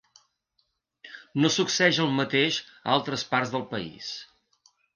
No succeeix el mateix a altres parts del país.